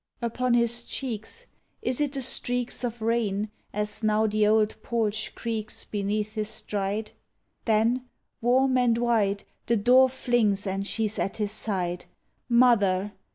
Upon his cheeks Is it the streaks Of rain, as now the old porch creaks Beneath his stride? Then, warm and wide, The door flings and she's at his side "Mother!"